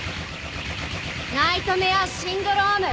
ナイトメアシンドローム。